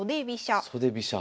袖飛車。